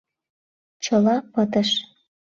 — Чыла пытыш.